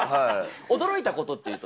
驚いたことというと？